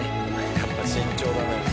やっぱ慎重だね。